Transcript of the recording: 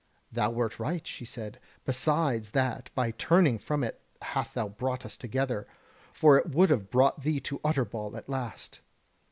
"Thou wert right," she said, "besides that thy turning from it hath brought us together; for it would have brought thee to Utterbol at last.